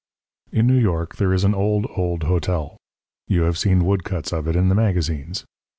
In New York there is an old, old hotel. You have seen woodcuts of it in the magazines.